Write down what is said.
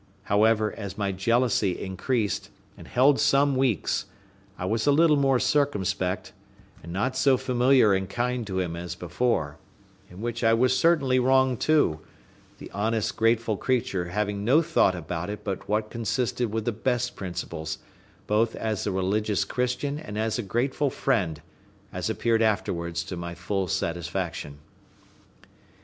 However, as my jealousy increased, and held some weeks, I was a little more circumspect, and not so familiar and kind to him as before: in which I was certainly wrong too; the honest, grateful creature having no thought about it but what consisted with the best principles, both as a religious Christian and as a grateful friend, as appeared afterwards to my full satisfaction.